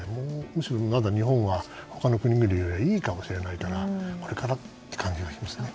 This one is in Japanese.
むしろまだ日本は他の国よりはいいかもしれないからこれからって感じがしますね。